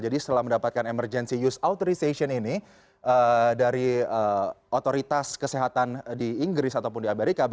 jadi setelah mendapatkan emergency use authorization ini dari otoritas kesehatan di inggris ataupun di amerika